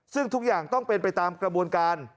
ซึ่งทุกอย่างต้องเป็นไปตามกระบวนการ